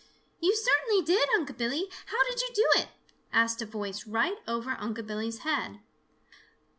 "You certainly did, Unc' Billy! How did you do it?" asked a voice right over Unc' Billy's head.